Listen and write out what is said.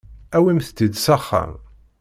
Awimt-tt-id s axxam.